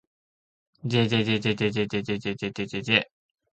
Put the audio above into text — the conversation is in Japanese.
jjjjjjjjjjjjjjjjj